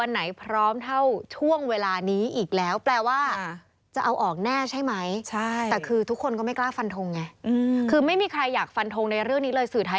ให้รู้